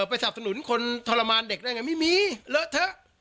ไปสนับสนุนคนทรมานเด็กได้ไงไม่มีเลอะเถอะ